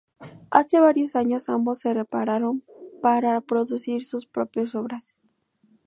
Hace varios años ambos se separaron para producir sus propias obras.